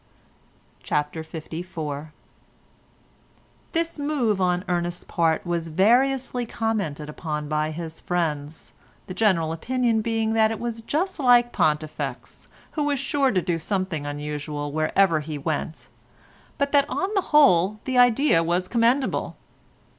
CHAPTER LIV This move on Ernest's part was variously commented upon by his friends, the general opinion being that it was just like Pontifex, who was sure to do something unusual wherever he went, but that on the whole the idea was commendable.